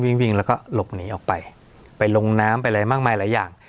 วิ่งวิ่งแล้วก็หลบหนีออกไปไปลงน้ำไปอะไรมากมายหลายอย่าง